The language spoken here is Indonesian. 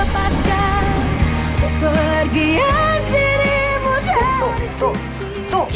tuh tuh tuh